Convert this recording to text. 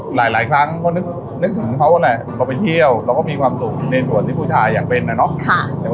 หลายครั้งนึกถึงเขานะพอไปเที่ยวในส่วนที่ผู้ชายอาจจะอยากไปเที่ยว